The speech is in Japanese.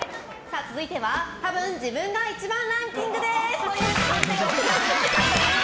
続いてはたぶん自分が１番ランキングです。